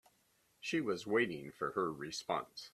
She was waiting for her response.